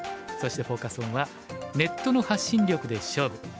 そしてフォーカス・オンは「ネットの発信力で勝負！